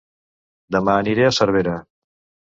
Dema aniré a Cervera